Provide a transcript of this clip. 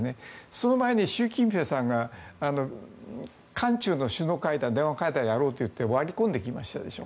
その前に習近平さんが韓中の電話会談をやろうって割り込んできましたでしょ。